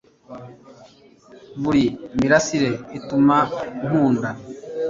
Buri mirasire ituma nkunda